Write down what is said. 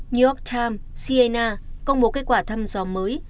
new york times ciana công bố kết quả thăm dò mới